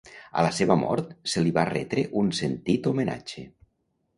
A la seva mort se li va retre un sentit homenatge.